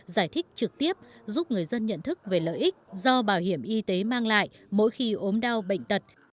giải thích trực tiếp giúp người dân nhận thức về lợi ích do bảo hiểm y tế mang lại mỗi khi ốm đau bệnh tật